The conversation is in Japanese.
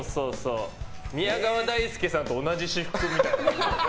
宮川大輔さんと同じ私服みたいな。